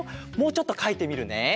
もうちょっとかいてみるね。